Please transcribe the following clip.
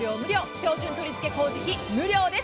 標準取り付け工事費無料です。